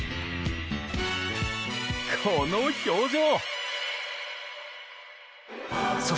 この表情。